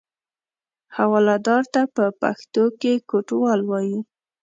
حوالهدار ته په پښتو کې کوټوال وایي.